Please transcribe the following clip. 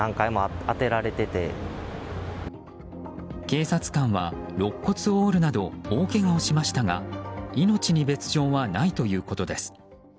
警察官は、ろっ骨を折るなど大けがをしましたが命に別条はないということです。